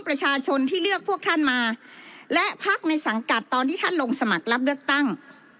ประชาชนที่เลือกพวกท่านมาและพักในสังกัดตอนที่ท่านลงสมัครรับเลือกตั้ง